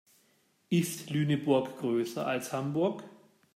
Ist Lüneburg größer als Hamburg?